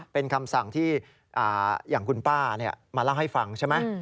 เป็นคำสั่งที่อย่างคุณป้ามาเล่าให้ฟังใช่ไหม